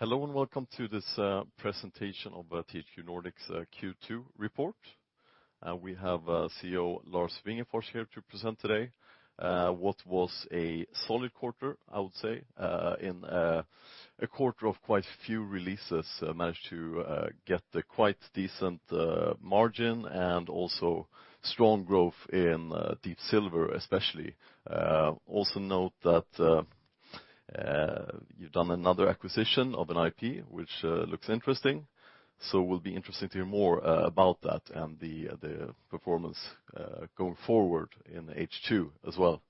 Hello, welcome to this presentation of THQ Nordic's Q2 report. We have CEO Lars Wingefors here to present today what was a solid quarter, I would say. In a quarter of quite few releases, managed to get a quite decent margin and also strong growth in Deep Silver, especially. Also note that you've done another acquisition of an IP, which looks interesting. Will be interesting to hear more about that and the performance going forward in H2 as well.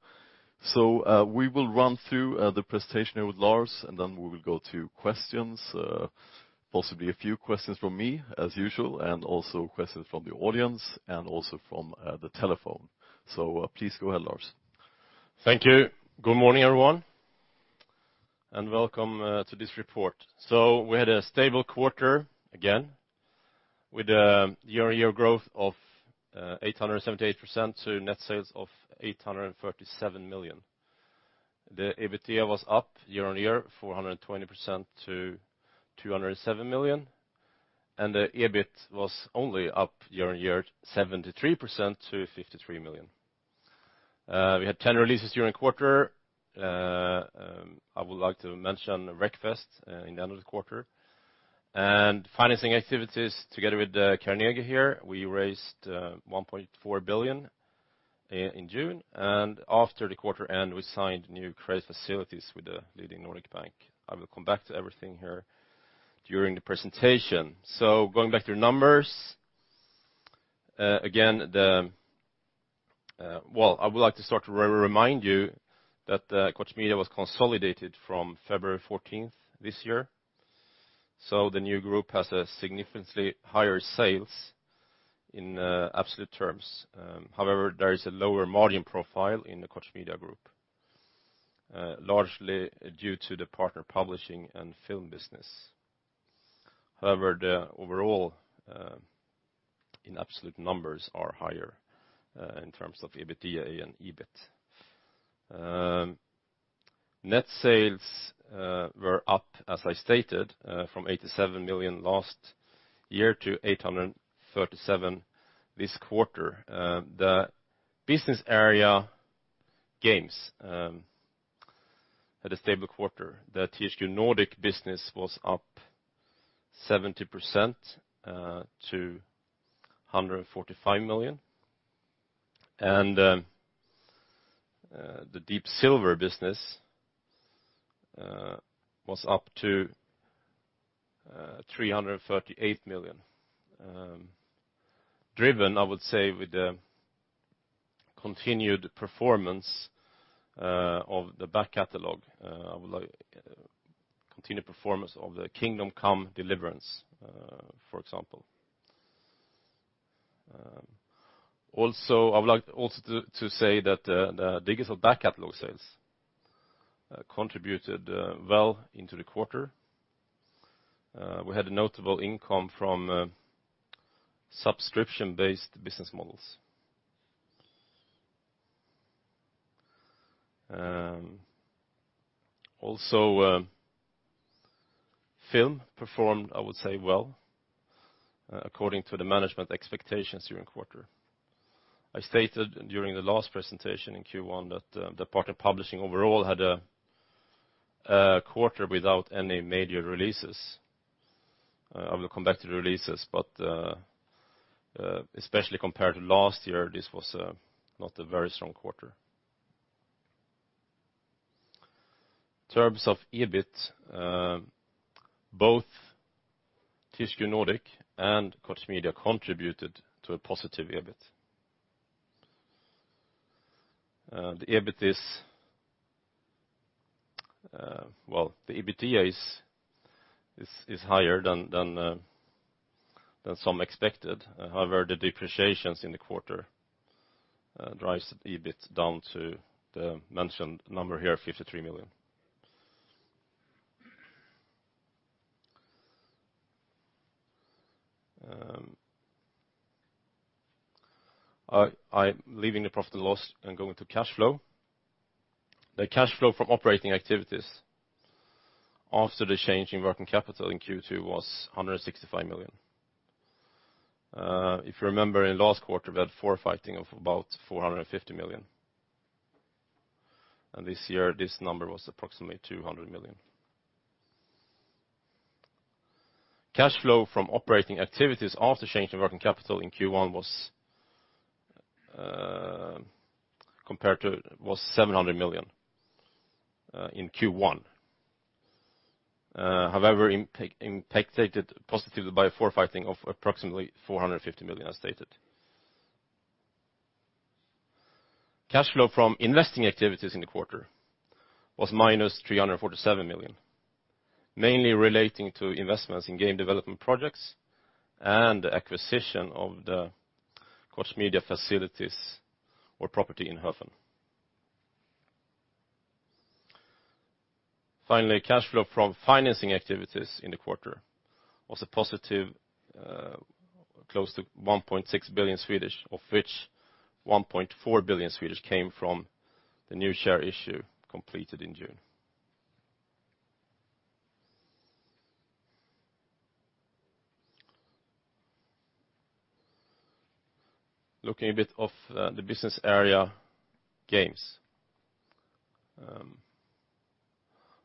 We will run through the presentation with Lars, then we will go to questions. Possibly a few questions from me as usual, and also questions from the audience and also from the telephone. Please go ahead, Lars. Thank you. Good morning, everyone, welcome to this report. We had a stable quarter again with a year-on-year growth of 878% to net sales of 837 million. The EBITDA was up year-on-year 420% to 207 million, the EBIT was only up year-on-year 73% to 53 million. We had 10 releases during the quarter. I would like to mention Wreckfest in the end of the quarter. Financing activities together with Carnegie here, we raised 1.4 billion in June, after the quarter end, we signed new credit facilities with the leading Nordic bank. I will come back to everything here during the presentation. Going back to the numbers. I would like to remind you that Koch Media was consolidated from February 14th this year. The new group has a significantly higher sales in absolute terms. However, there is a lower margin profile in the Koch Media Group, largely due to the partner publishing and film business. However, the overall in absolute numbers are higher in terms of EBITDA and EBIT. Net sales were up, as I stated, from 87 million last year to 837 million this quarter. The business area Games had a stable quarter. The THQ Nordic business was up 70% to 145 million, the Deep Silver business was up to 338 million. Driven, I would say, with the continued performance of the back catalog. Continued performance of the "Kingdom Come: Deliverance," for example. I would like also to say that the digital back catalog sales contributed well into the quarter. We had a notable income from subscription-based business models. Also, film performed, I would say, well, according to the management expectations during the quarter. I stated during the last presentation in Q1 that the partner publishing overall had a quarter without any major releases. I will come back to the releases, especially compared to last year, this was not a very strong quarter. In terms of EBIT, both THQ Nordic and Koch Media contributed to a positive EBIT. The EBITDA is higher than some expected. However, the depreciations in the quarter drives the EBIT down to the mentioned number here, 53 million. I'm leaving the profit loss and going to cash flow. The cash flow from operating activities after the change in working capital in Q2 was 165 million. If you remember, in last quarter, we had forfeiting of about 450 million. This year, this number was approximately 200 million. Cash flow from operating activities after change in working capital in Q1 was SEK 700 million in Q1. However, impacted positively by forfeiting of approximately 450 million, as stated. Cash flow from investing activities in the quarter was minus 347 million, mainly relating to investments in game development projects and the acquisition of the Koch Media facilities or property in Höfen. Finally, cash flow from financing activities in the quarter was a positive close to 1.6 billion, of which 1.4 billion came from the new share issue completed in June. Looking a bit at the business area games.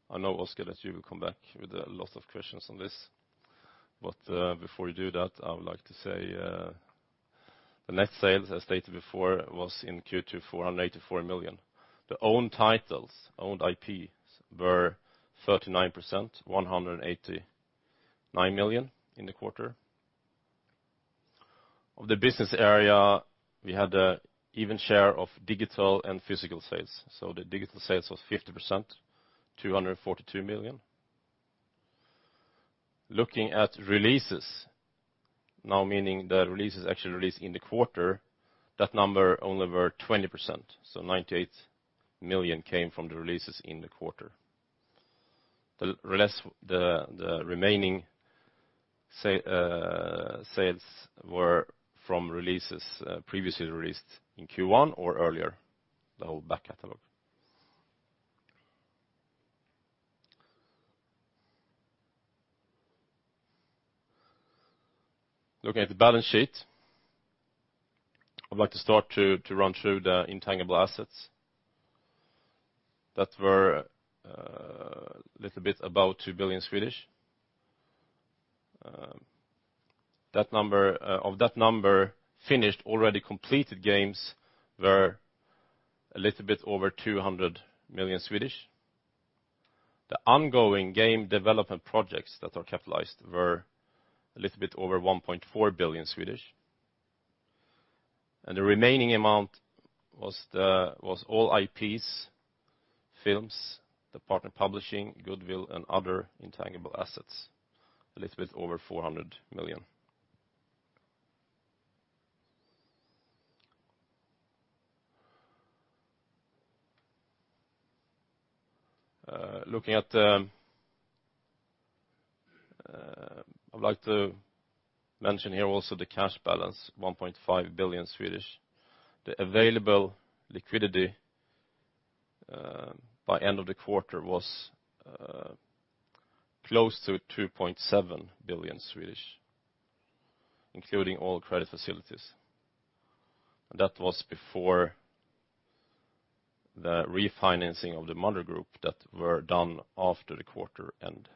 I know, Oscar, that you will come back with a lot of questions on this, before you do that, I would like to say the net sales, as stated before, was in Q2 484 million. The own titles, owned IPs, were 39%, 189 million in the quarter. Of the business area, we had an even share of digital and physical sales. The digital sales was 50%, 242 million. Looking at releases now, meaning the releases actually released in the quarter, that number only was 20%. 98 million came from the releases in the quarter. The remaining sales were from releases previously released in Q1 or earlier, the whole back catalog. Looking at the balance sheet, I would like to start to run through the intangible assets that were a little bit above 2 billion. Of that number, finished, already completed games were a little bit over 200 million. The ongoing game development projects that are capitalized were a little bit over 1.4 billion, and the remaining amount was all IPs, films, the partner publishing, goodwill, and other intangible assets, a little bit over 400 million. I would like to mention here also the cash balance, 1.5 billion. The available liquidity by end of the quarter was close to 2.7 billion, including all credit facilities. That was before the refinancing of the mother group that was done after the quarter end.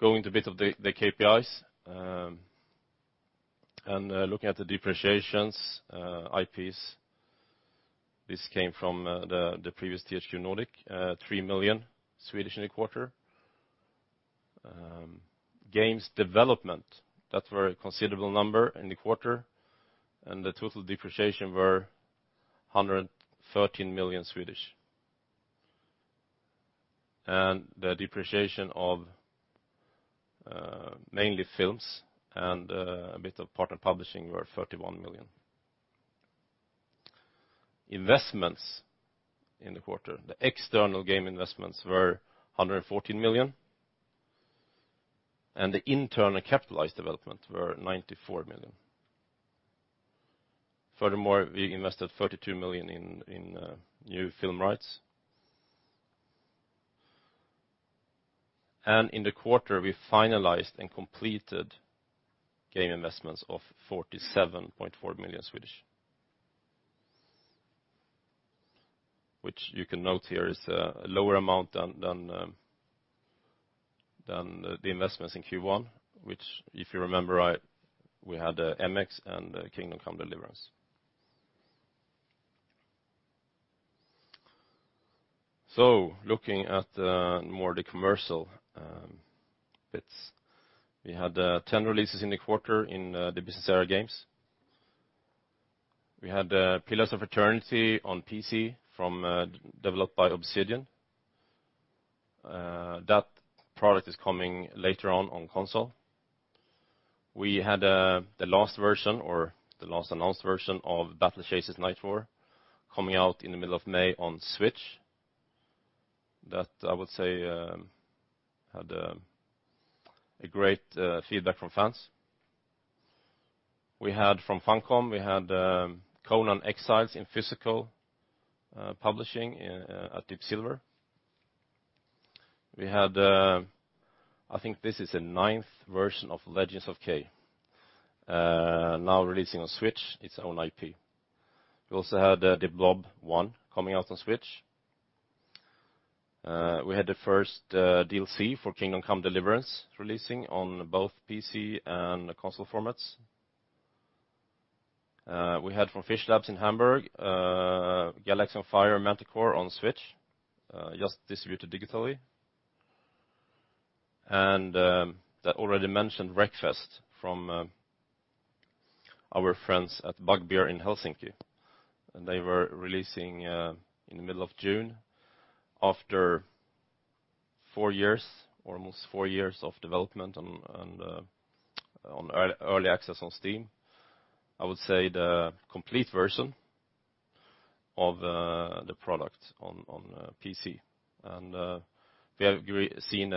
Going to a bit of the KPIs. Looking at the depreciations, IPs, this came from the previous THQ Nordic, 3 million in the quarter. Games development, that was a considerable number in the quarter, the total depreciation was SEK 113 million. The depreciation of mainly films and a bit of partner publishing was 31 million. Investments in the quarter, the external game investments were 114 million, and the internal capitalized development were 94 million. Furthermore, we invested 32 million in new film rights. In the quarter, we finalized and completed game investments of SEK 47.4 million, which you can note here is a lower amount than the investments in Q1, which if you remember, we had "MX" and "Kingdom Come: Deliverance." Looking at more the commercial bits. We had 10 releases in the quarter in the business area games. We had "Pillars of Eternity" on PC developed by Obsidian Entertainment. That product is coming later on on console. We had the last version, or the last announced version of "Battle Chasers: Nightwar" coming out in the middle of May on Switch. That, I would say, had a great feedback from fans. From Funcom, we had "Conan Exiles" in physical publishing at Deep Silver. We had, I think this is the ninth version of "Legend of Kay," now releasing on Switch its own IP. We also had de Blob coming out on Switch. We had the first DLC for Kingdom Come: Deliverance releasing on both PC and console formats. We had from Fishlabs in Hamburg, Manticore: Galaxy on Fire on Switch, just distributed digitally. The already mentioned Wreckfest from our friends at Bugbear in Helsinki, and they were releasing in the middle of June after four years, almost four years of development and early access on Steam. I would say the complete version of the product on PC. We have seen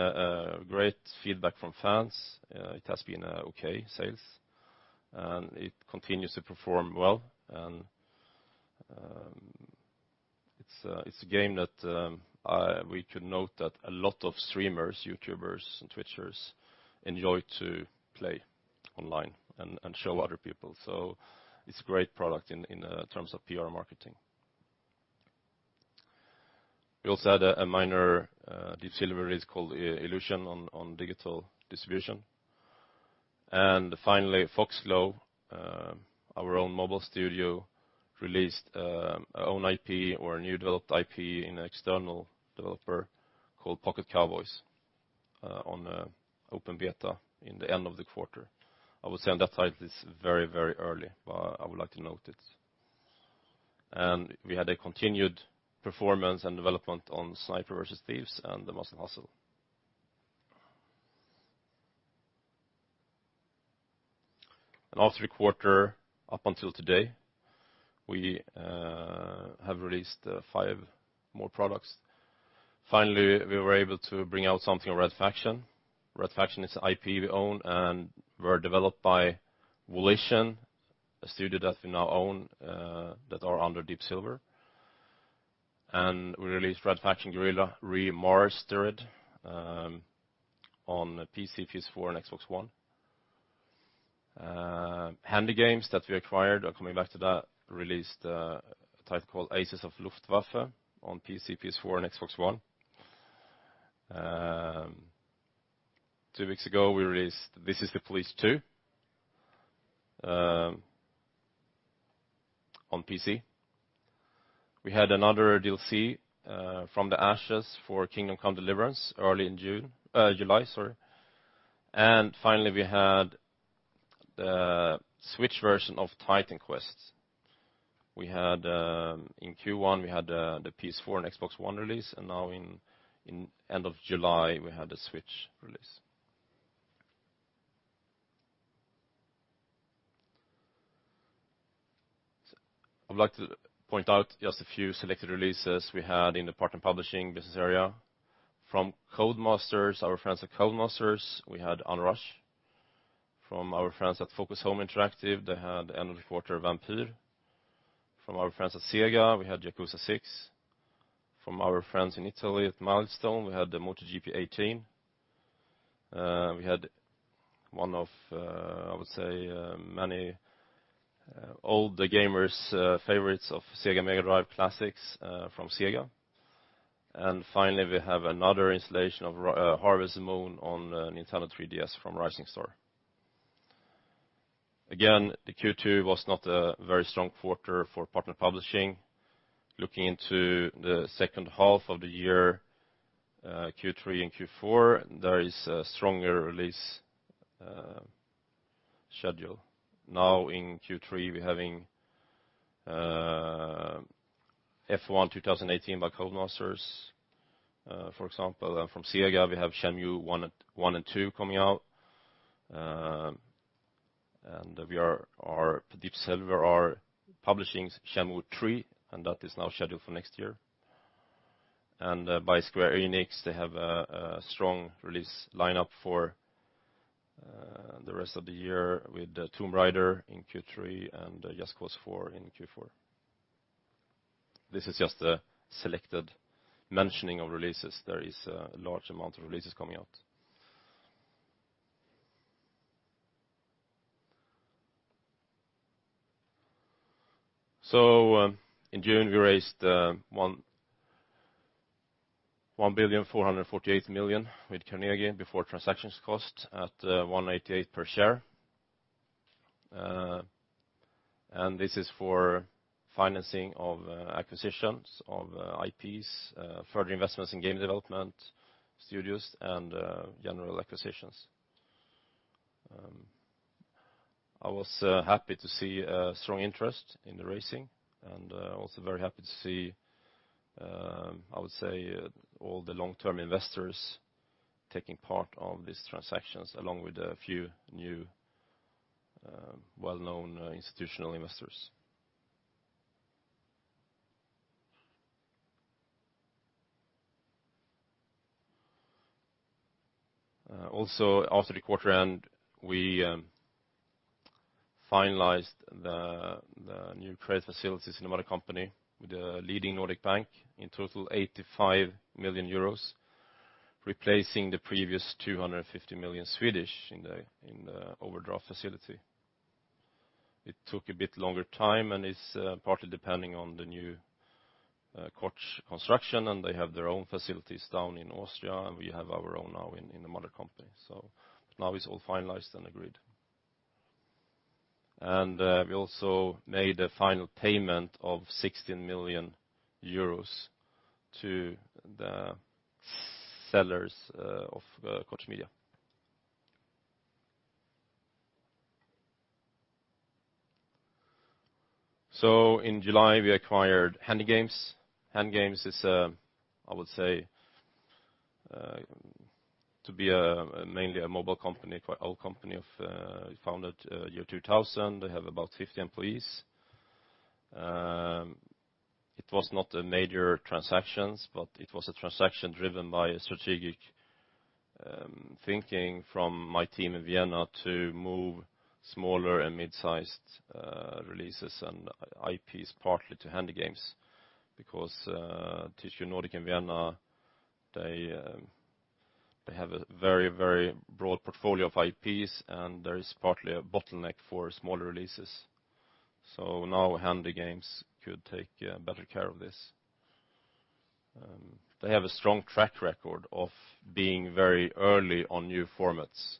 great feedback from fans. It has been okay sales, and it continues to perform well. It's a game that we should note that a lot of streamers, YouTubers, and Twitchers enjoy to play online and show other people. It's a great product in terms of PR marketing. We also had a minor Deep Silver release called Illusion on digital distribution. Finally, Foxglove, our own mobile studio, released our own IP or a newly developed IP in an external developer called Pocket Cowboys on open beta at the end of the quarter. I would say on that title, it's very early, but I would like to note it. We had a continued performance and development on Snipers vs Thieves and The Muscle Hustle. After a quarter up until today, we have released five more products. Finally, we were able to bring out something, Red Faction. Red Faction is an IP we own and was developed by Volition, a studio that we now own that is under Deep Silver. We released Red Faction: Guerrilla re-mastered on PC, PS4, and Xbox One. HandyGames that we acquired, coming back to that, released a title called Aces of the Luftwaffe on PC, PS4, and Xbox One. Two weeks ago, we released This Is the Police 2 on PC. We had another DLC, From the Ashes for Kingdom Come: Deliverance early in July. Finally, we had the Switch version of Titan Quest. In Q1, we had the PS4 and Xbox One release, and now at the end of July, we had the Switch release. I'd like to point out just a few selected releases we had in the partner publishing business area. From our friends at Codemasters, we had Onrush. From our friends at Focus Home Interactive, they had Vampyr. From our friends at Sega, we had Yakuza 6. From our friends in Italy at Milestone, we had the MotoGP 18. We had one of, I would say, many older gamers' favorites of Sega Mega Drive Classics from Sega. Finally, we have another installation of Harvest Moon on Nintendo 3DS from Rising Star. Again, Q2 was not a very strong quarter for partner publishing. Looking into the second half of the year, Q3 and Q4, there is a stronger release schedule. Now in Q3, we're having F1 2018 by Codemasters, for example. From Sega, we have Shenmue I & II coming out. Deep Silver is publishing Shenmue III, and that is now scheduled for next year. By Square Enix, they have a strong release lineup for the rest of the year with Tomb Raider in Q3 and Just Cause 4 in Q4. This is just a selected mentioning of releases. There is a large amount of releases coming out. In June, we raised 1,448,000,000 with Carnegie before transactions cost at 188 per share. This is for financing of acquisitions of IPs, further investments in game development studios, and general acquisitions. I was happy to see a strong interest in the raising and also very happy to see, I would say, all the long-term investors taking part in these transactions, along with a few new well-known institutional investors. After the quarter end, we finalized the new credit facilities in the mother company with a leading Nordic bank, in total €85 million, replacing the previous 250 million in the overdraft facility. It took a bit longer time, and it's partly depending on the new Koch construction, and they have their own facilities down in Austria, and we have our own now in the mother company. Now it's all finalized and agreed. We also made a final payment of €16 million to the sellers of Koch Media. In July, we acquired HandyGames. HandyGames is, I would say, to be mainly a mobile company, quite an old company, founded in the year 2000. They have about 50 employees. It was not a major transaction, but it was a transaction driven by strategic thinking from my team in Vienna to move smaller and mid-sized releases and IPs partly to HandyGames because THQ Nordic and Vienna, they have a very broad portfolio of IPs, and there is partly a bottleneck for smaller releases. Now HandyGames could take better care of this. They have a strong track record of being very early on new formats.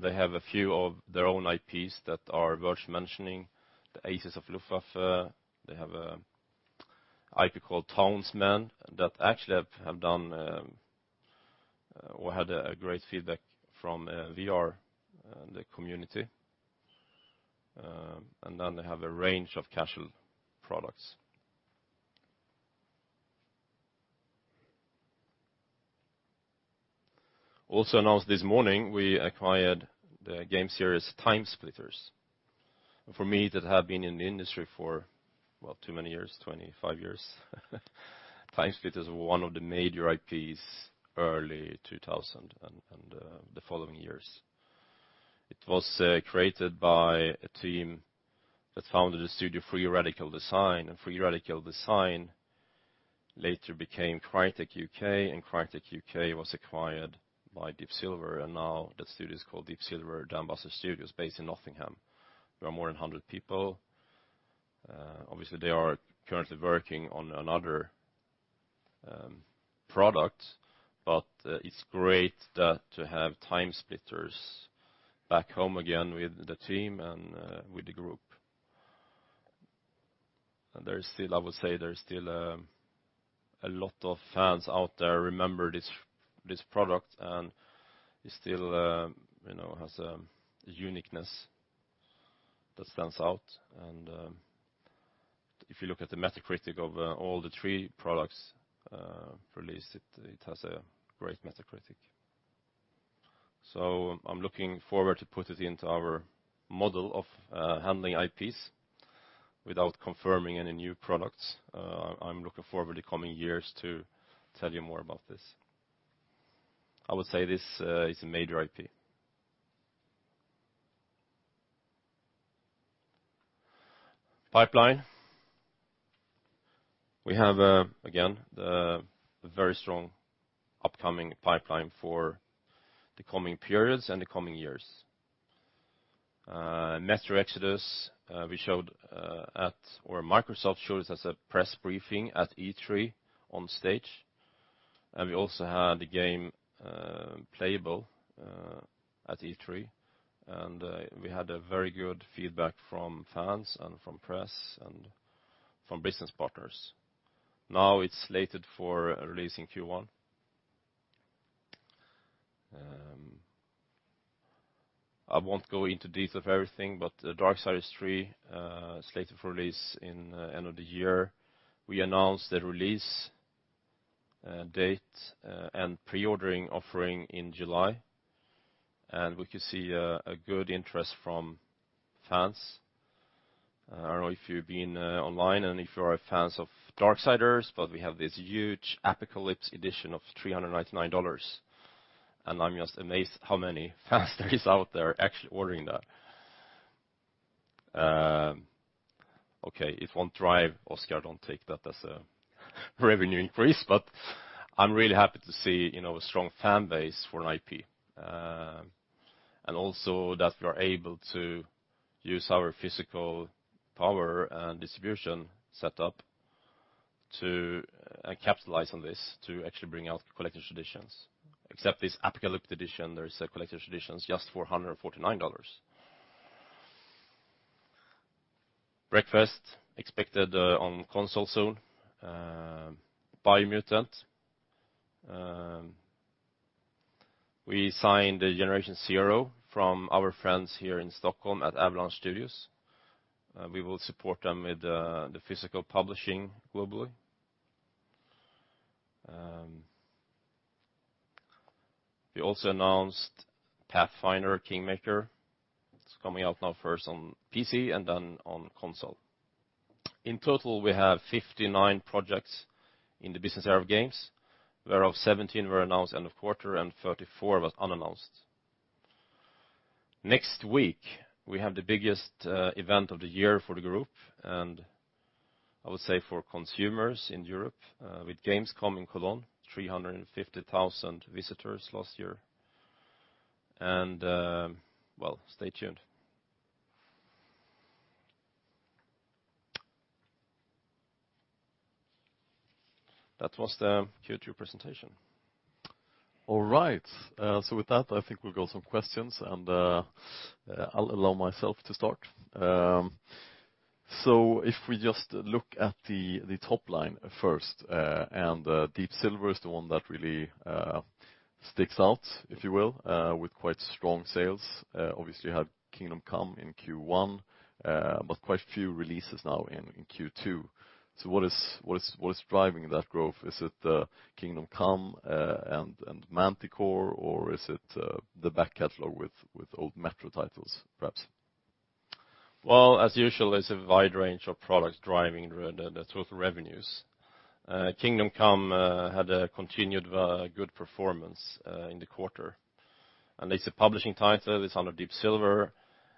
They have a few of their own IPs that are worth mentioning. The Aces of the Luftwaffe. They have IP called Townsmen that actually have had great feedback from the VR community. They have a range of casual products. Announced this morning, we acquired the game series TimeSplitters. For me, that have been in the industry for, well, too many years, 25 years, TimeSplitters was one of the major IPs early 2000s and the following years. It was created by a team that founded a studio, Free Radical Design. Free Radical Design later became Crytek UK. Crytek UK was acquired by Deep Silver, and now that studio is called Deep Silver Dambuster Studios based in Nottingham. There are more than 100 people. Obviously, they are currently working on another product, but it's great to have TimeSplitters back home again with the team and with the group. I would say there's still a lot of fans out there who remember this product, and it still has a uniqueness that stands out. If you look at the Metacritic of all the three products released, it has a great Metacritic. I'm looking forward to putting it into our model of handling IPs without confirming any new products. I'm looking forward in the coming years to tell you more about this. I would say this is a major IP. Pipeline. We have, again, a very strong upcoming pipeline for the coming periods and the coming years. Metro Exodus, Microsoft showed it as a press briefing at E3 on stage. We also had the game playable at E3. We had very good feedback from fans and from press, and from business partners. It's slated for release in Q1. I won't go into detail of everything, Darksiders III slated for release in the end of the year. We announced the release date and pre-ordering offering in July. We could see a good interest from fans. I don't know if you've been online and if you are fans of Darksiders, we have this huge Apocalypse Edition of $399. I'm just amazed how many fans there is out there actually ordering that. Okay, it won't drive. Oscar, don't take that as a revenue increase, but I'm really happy to see a strong fan base for an IP. Also that we are able to use our physical power and distribution setup to capitalize on this to actually bring out collector's editions. Except this Apocalypse Edition, there is a collector's edition just for $149. Wreckfest expected on console soon. Biomutant. We signed Generation Zero from our friends here in Stockholm at Avalanche Studios. We will support them with the physical publishing globally. We also announced Pathfinder: Kingmaker. It's coming out now first on PC and then on console. In total, we have 59 projects in the business area of games. Whereof 17 were announced end of quarter and 34 were unannounced. Next week, we have the biggest event of the year for the group, and I would say for consumers in Europe, with Gamescom in Cologne. 350,000 visitors last year. Well, stay tuned. That was the Q2 presentation. All right. With that, I think we'll go to some questions, and I'll allow myself to start If we just look at the top line first, Deep Silver is the one that really sticks out, if you will, with quite strong sales. Obviously, you had Kingdom Come in Q1, quite few releases now in Q2. What is driving that growth? Is it Kingdom Come and Manticore, or is it the back catalog with old Metro titles, perhaps? Well, as usual, it's a wide range of products driving the total revenues. Kingdom Come had a continued good performance in the quarter. It's a publishing title, it's under Deep Silver.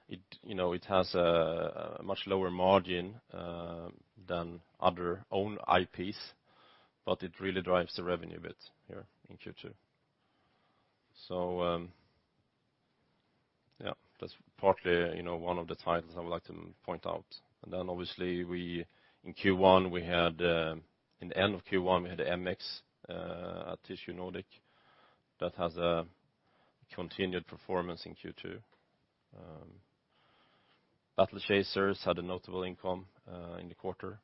It has a much lower margin than other own IPs, it really drives the revenue a bit here in Q2. That's partly one of the titles I would like to point out. Then obviously in Q1, we had in the end of Q1, we had MX at THQ Nordic. That has a continued performance in Q2. Battle Chasers had a notable income in the quarter.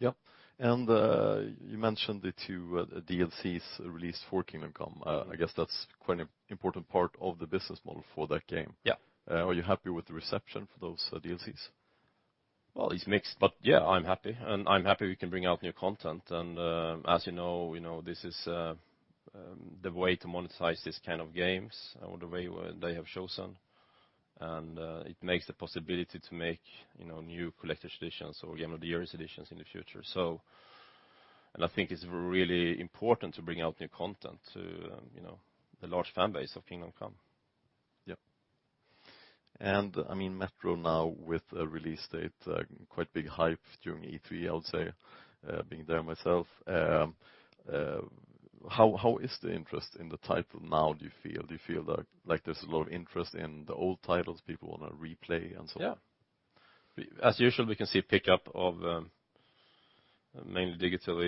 Yep. You mentioned the two DLCs released for Kingdom Come. I guess that's quite an important part of the business model for that game. Yeah. Are you happy with the reception for those DLCs? Well, it's mixed, but yeah, I'm happy. I'm happy we can bring out new content and as you know, this is the way to monetize this kind of games or the way they have chosen. It makes the possibility to make new collector's editions or Game of the Year editions in the future. I think it's really important to bring out new content to the large fan base of Kingdom Come. Yep. Metro now with a release date, quite big hype during E3 I would say, being there myself. How is the interest in the title now, do you feel? Do you feel like there's a lot of interest in the old titles people want to replay and so on? As usual, we can see a pickup of mainly digital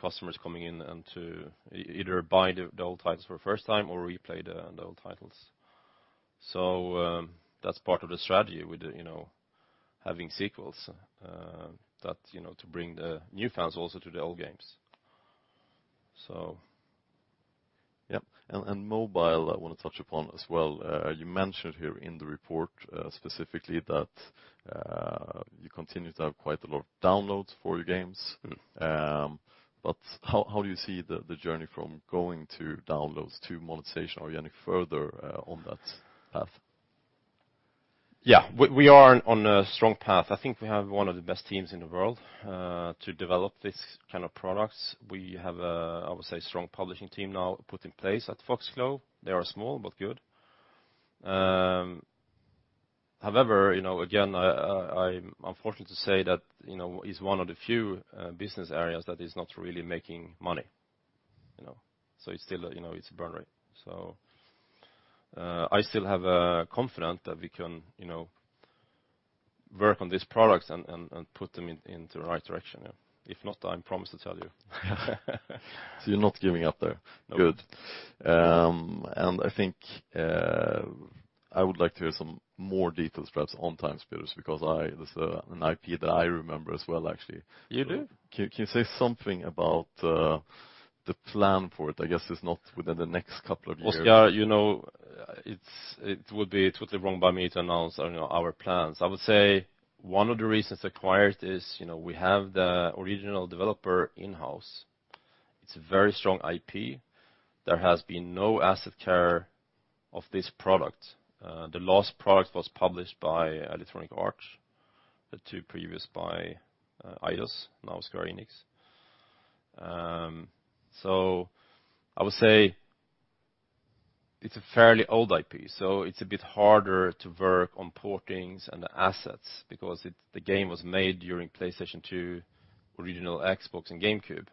customers coming in and to either buy the old titles for the first time or replay the old titles. That's part of the strategy with having sequels to bring the new fans also to the old games. Mobile I want to touch upon as well. You mentioned here in the report specifically that you continue to have quite a lot of downloads for your games. How do you see the journey from going to downloads to monetization? Are you any further on that path? We are on a strong path. I think we have one of the best teams in the world to develop this kind of products. We have a, I would say, strong publishing team now put in place at Foxglove. They are small, but good. However, again, I'm unfortunate to say that it's one of the few business areas that is not really making money. It's a burn rate. I still have confidence that we can work on these products and put them into the right direction. If not, I promise to tell you. You're not giving up there? No. Good. I think I would like to hear some more details perhaps on TimeSplitters because this is an IP that I remember as well, actually. You do? Can you say something about the plan for it? I guess it's not within the next couple of years. Oscar, it would be totally wrong by me to announce our plans. I would say one of the reasons acquired is, we have the original developer in-house. It's a very strong IP. There has been no asset care of this product. The last product was published by Electronic Arts, the two previous by Eidos, now Square Enix. I would say it's a fairly old IP, so it's a bit harder to work on portings and the assets because the game was made during PlayStation 2, original Xbox, and GameCube.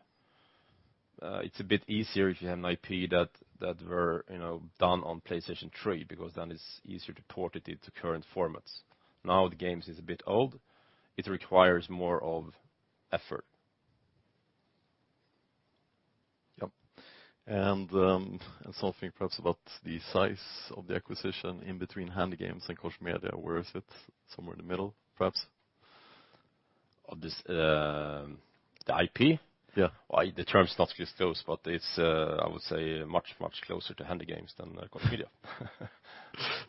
It's a bit easier if you have an IP that were done on PlayStation 3, because then it's easier to port it into current formats. Now the game is a bit old, it requires more of effort. Yep. Something perhaps about the size of the acquisition in between HandyGames and Koch Media. Where is it? Somewhere in the middle, perhaps? Of this, the IP? Yeah. The term's not disclosed. It's, I would say much closer to HandyGames than Koch Media.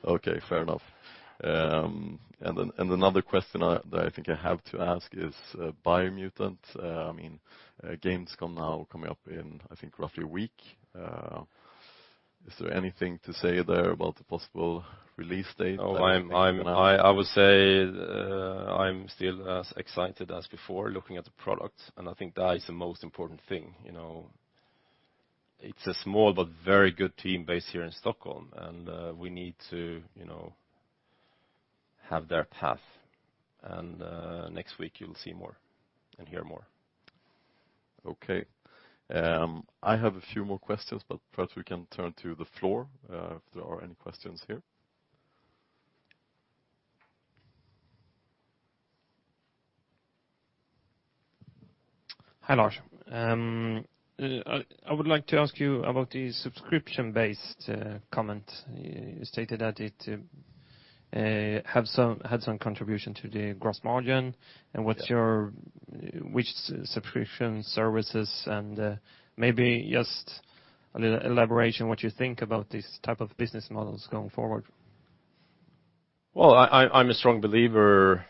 Okay. Fair enough. Another question that I think I have to ask is Biomutant. The game's coming up in, I think, roughly one week. Is there anything to say there about the possible release date? Anything you can say? I would say I'm still as excited as before looking at the product. I think that is the most important thing. It's a small but very good team based here in Stockholm. We need to have their path. Next week you'll see more and hear more. Okay. I have a few more questions, perhaps we can turn to the floor if there are any questions here. Hi, Lars. I would like to ask you about the subscription-based comment. You stated that it had some contribution to the gross margin. Which subscription services, and maybe just a little elaboration what you think about these type of business models going forward? Well, I'm a strong believer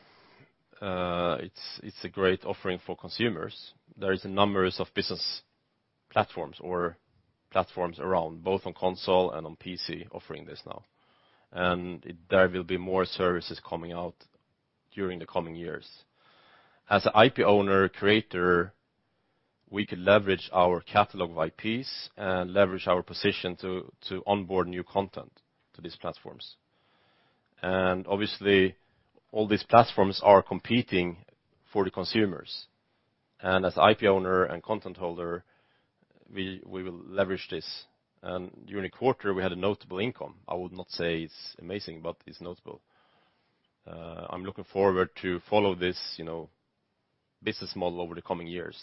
it's a great offering for consumers. There is numbers of business platforms or platforms around, both on console and on PC offering this now. There will be more services coming out during the coming years. As an IP owner, creator, we could leverage our catalog of IPs and leverage our position to onboard new content to these platforms. Obviously all these platforms are competing for the consumers. As IP owner and content holder, we will leverage this. During the quarter we had a notable income. I would not say it's amazing, but it's notable. I'm looking forward to follow this business model over the coming years.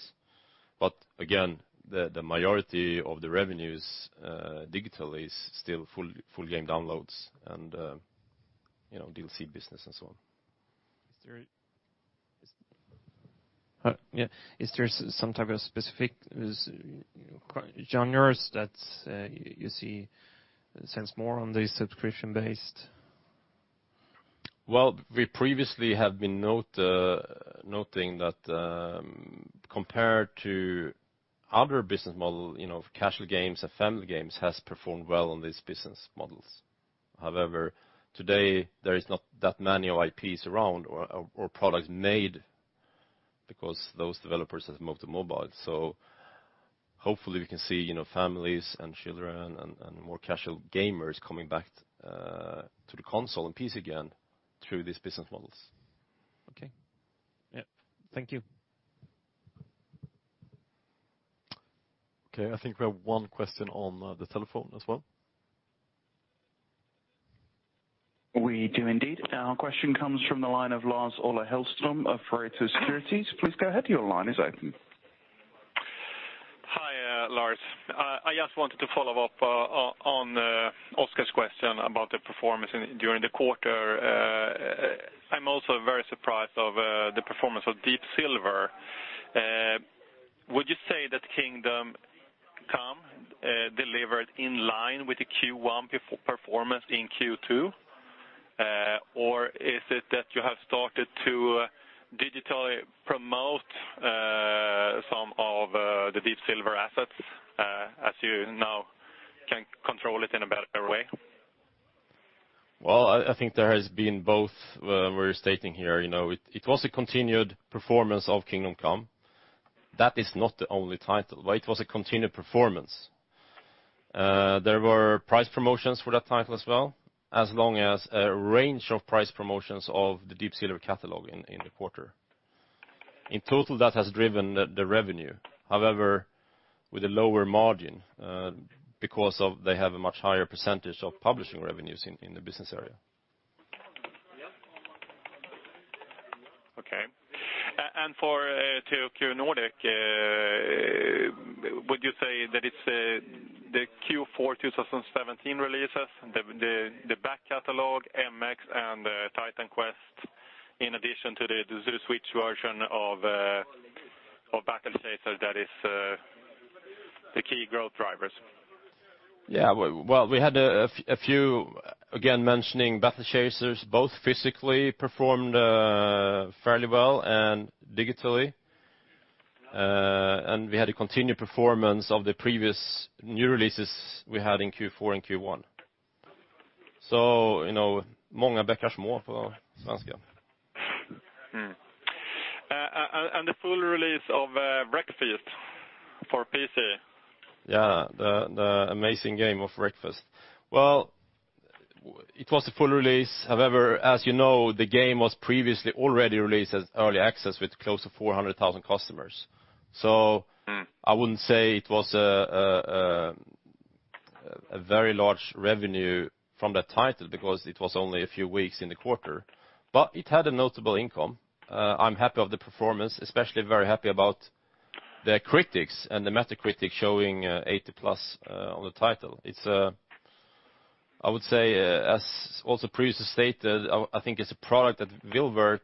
Again, the majority of the revenues digitally is still full game downloads and DLC business and so on. Is there some type of specific genres that you see sells more on the subscription-based? Well, we previously have been noting that compared to other business model, casual games and family games has performed well on these business models. However, today there is not that many IPs around or products made because those developers have moved to mobile. Hopefully we can see families and children and more casual gamers coming back to the console and PC again through these business models. Okay. Yep. Thank you. Okay, I think we have one question on the telephone as well. We do indeed. Our question comes from the line of Lars-Ola Hellström of Pareto Securities. Please go ahead. Your line is open. Hi, Lars. I just wanted to follow up on Oscar's question about the performance during the quarter. I am also very surprised of the performance of Deep Silver. Would you say that Kingdom Come delivered in line with the Q1 performance in Q2? Is it that you have started to digitally promote some of the Deep Silver assets, as you now can control it in a better way? Well, I think there has been both. We are stating here it was a continued performance of Kingdom Come. That is not the only title. While it was a continued performance, there were price promotions for that title as well, as long as a range of price promotions of the Deep Silver catalog in the quarter. In total, that has driven the revenue. However, with a lower margin, because they have a much higher percentage of publishing revenues in the business area. Okay. For THQ Nordic, would you say that it is the Q4 2017 releases, the back catalog, "MX" and "Titan Quest," in addition to the Switch version of "Battle Chasers" that is the key growth drivers? Well, we had a few, again, mentioning "Battle Chasers" both physically performed fairly well and digitally. We had a continued performance of the previous new releases we had in Q4 and Q1. "Många bäckar små" for our Swedish. The full release of "Wreckfest" for PC. The amazing game of "Wreckfest." Well, it was a full release. However, as you know, the game was previously already released as early access with close to 400,000 customers. I wouldn't say it was a very large revenue from that title because it was only a few weeks in the quarter. It had a notable income. I'm happy of the performance, especially very happy about the critics and the Metacritic showing 80 plus on the title. I would say, as also previously stated, I think it's a product that will work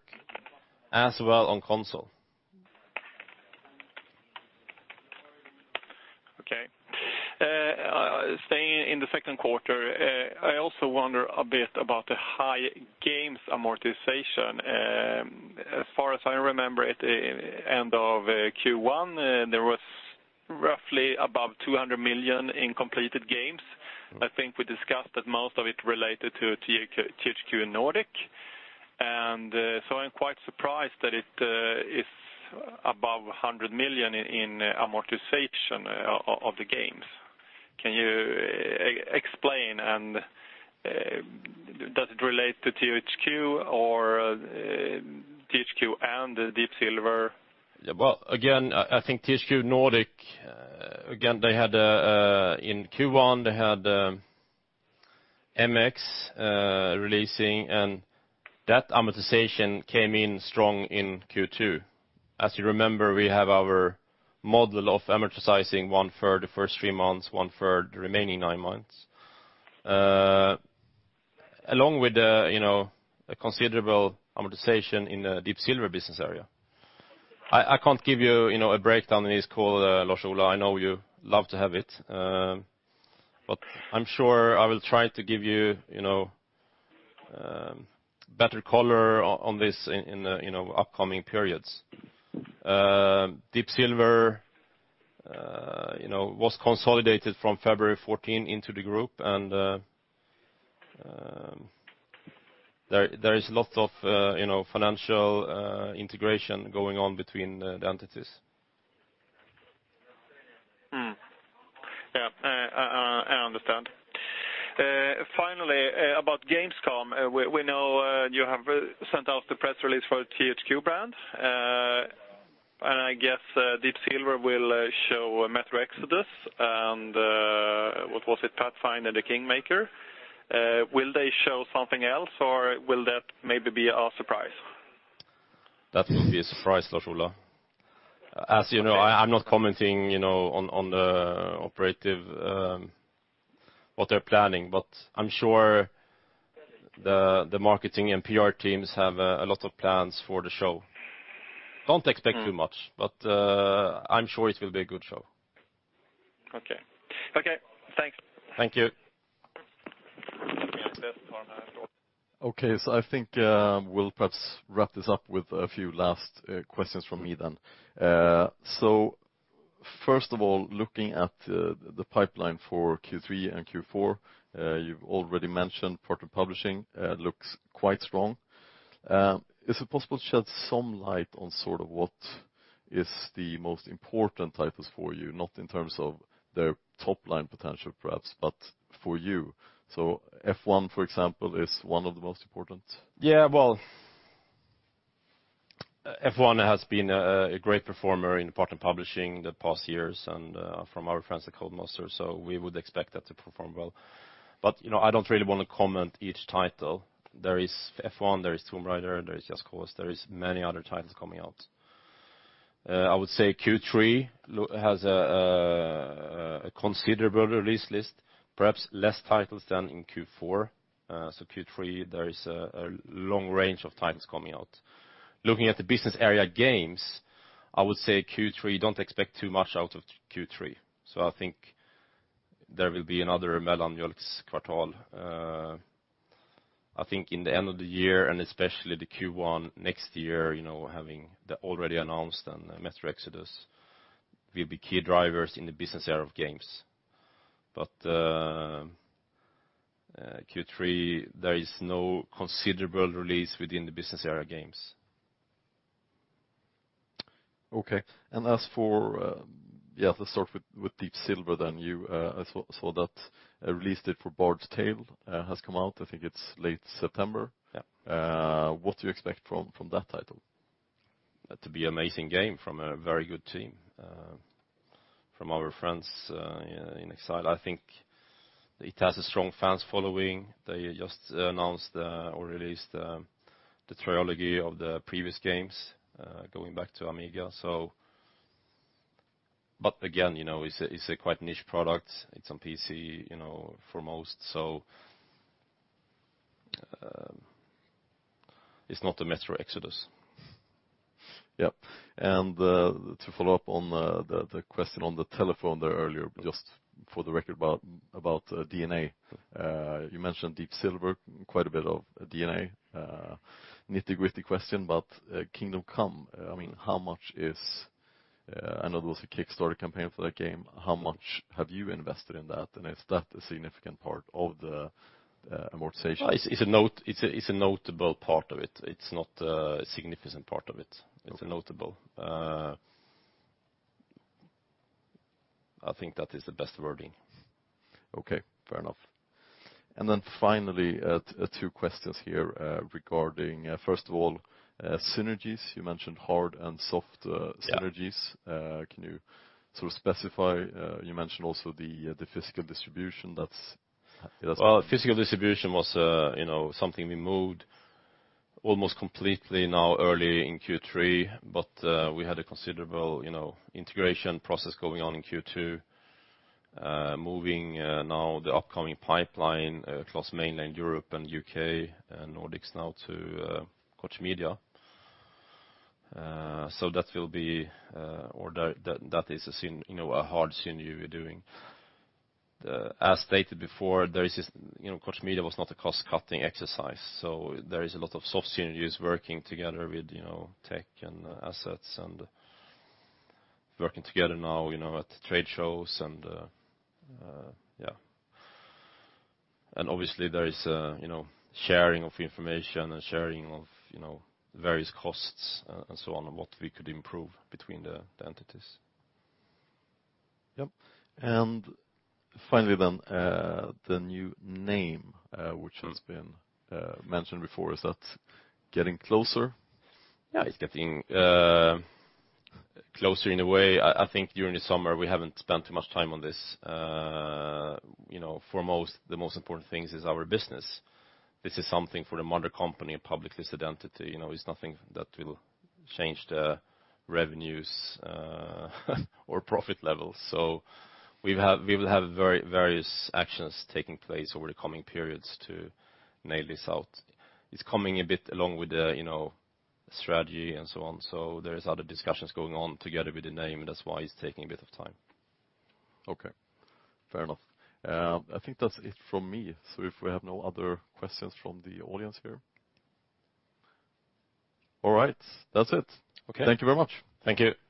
as well on console. Staying in the second quarter, I also wonder a bit about the high games amortization. As far as I remember it, end of Q1, there was roughly above 200 million in completed games. I think we discussed that most of it related to THQ Nordic. I'm quite surprised that it is above 100 million in amortization of the games. Can you explain, does it relate to THQ or THQ and Deep Silver? Yeah. Well, again, I think THQ Nordic, in Q1, they had MX releasing and that amortization came in strong in Q2. As you remember, we have our model of amortizing one third the first three months, one third the remaining nine months. Along with a considerable amortization in the Deep Silver business area. I can't give you a breakdown on this call, Lars-Ola, I know you love to have it. I'm sure I will try to give you better color on this in the upcoming periods. Deep Silver was consolidated from February 14 into the group, and there is lot of financial integration going on between the entities. Yeah. I understand. Finally, about Gamescom. We know you have sent out the press release for the THQ brand, and I guess Deep Silver will show "Metro Exodus" and what was it? "Pathfinder: Kingmaker." Will they show something else, or will that maybe be a surprise? That will be a surprise, Lars-Ola. As you know, I'm not commenting on the operative, what they're planning, but I'm sure the marketing and PR teams have a lot of plans for the show. Don't expect too much. I'm sure it will be a good show. Okay. Thanks. Thank you. I think we'll perhaps wrap this up with a few last questions from me then. First of all, looking at the pipeline for Q3 and Q4, you've already mentioned partner publishing looks quite strong. Is it possible to shed some light on what is the most important titles for you? Not in terms of their top-line potential, perhaps, but for you. "F1," for example, is one of the most important? Well, "F1" has been a great performer in partner publishing the past years and from our friends at Codemasters, we would expect that to perform well. I don't really want to comment each title. There is "F1," there is "Tomb Raider," there is "Just Cause," there is many other titles coming out. I would say Q3 has a considerable release list, perhaps less titles than in Q4. Q3, there is a long range of titles coming out. Looking at the business area games, I would say Q3, don't expect too much out of Q3. I think there will be another mellanjuls kvartal. I think in the end of the year, and especially the Q1 next year, having the already announced and "Metro Exodus" will be key drivers in the business area of games. Q3, there is no considerable release within the business area games. As for Deep Silver then. Let's start with Deep Silver then. I saw that release date for "The Bard's Tale" has come out. I think it's late September. Yeah. What do you expect from that title? To be amazing game from a very good team, from our friends inXile Entertainment. I think it has a strong fans following. They just announced or released the trilogy of the previous games, going back to Amiga. Again, it's a quite niche product. It's on PC, for most, it's not a "Metro Exodus. Yep. To follow up on the question on the telephone there earlier, just for the record about D&A. You mentioned Deep Silver, quite a bit of D&A. Nitty-gritty question, "Kingdom Come," I know there was a Kickstarter campaign for that game. How much have you invested in that, and is that a significant part of the amortization? It's a notable part of it. It's not a significant part of it. It's a notable. I think that is the best wording. Okay, fair enough. Finally, two questions here regarding, first of all, synergies. You mentioned hard and soft synergies. Yeah. Can you sort of specify, you mentioned also the physical distribution that's- Physical distribution was something we moved almost completely now early in Q3. We had a considerable integration process going on in Q2, moving now the upcoming pipeline across mainland Europe and U.K. and Nordics now to Koch Media. That is a hard synergy we're doing. As stated before, Koch Media was not a cost-cutting exercise. There is a lot of soft synergies working together with tech and assets and working together now at trade shows and yeah. Obviously, there is sharing of information and sharing of various costs, and so on, and what we could improve between the entities. Yep. The new name which has been mentioned before. Is that getting closer? Yeah, it's getting closer in a way. I think during the summer, we haven't spent too much time on this. The most important thing is our business. This is something for the mother company, a publicly listed entity. It's nothing that will change the revenues or profit levels. We will have various actions taking place over the coming periods to nail this out. It's coming a bit along with the strategy and so on. There is other discussions going on together with the name, and that's why it's taking a bit of time. Okay. Fair enough. I think that's it from me. If we have no other questions from the audience here. All right, that's it. Okay. Thank you very much. Thank you.